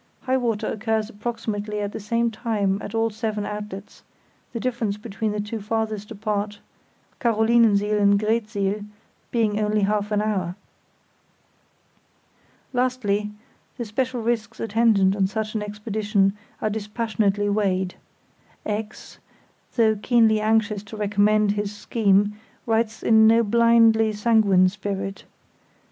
High water occurs approximately at the same time at all seven outlets, the difference between the two farthest apart, Carolinensiel and Greetsiel, being only half an hour. Lastly, the special risks attendant on such an expedition are dispassionately weighed. X——, though keenly anxious to recommend his scheme, writes in no blindly sanguine spirit.